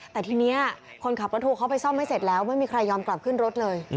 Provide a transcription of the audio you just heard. แต่ทีนี้คนขับรถทัวร์เขาไปซ่อมให้เสร็จแล้วไม่มีใครยอมกลับขึ้นรถเลย